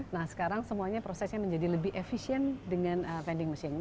nah sekarang semuanya prosesnya menjadi lebih efisien dengan vending machine